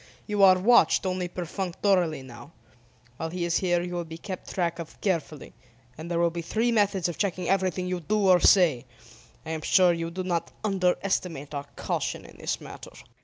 You are watched only perfunctorily now. While he is here you will be kept track of carefully, and there will be three methods of checking everything you do or say. I am sure you do not underestimate our caution in this matter."